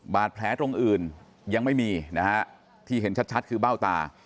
บาดแผลตรงอื่นยังไม่มีนะฮะที่เห็นชัดคือเบ้าตา